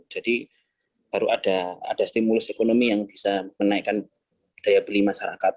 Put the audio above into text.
baru ada stimulus ekonomi yang bisa menaikkan daya beli masyarakat